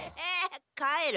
帰る？